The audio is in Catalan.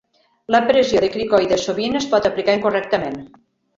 La pressió de cricoide sovint es pot aplicar incorrectament.